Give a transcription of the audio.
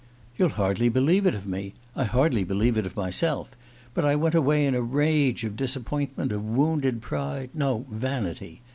"You'll hardly believe it of me; I hardly believe it of myself; but I went away in a rage of disappointment, of wounded pride no, vanity!